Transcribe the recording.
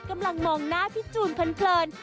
กำลังมองหน้าพี่จูนเพลิน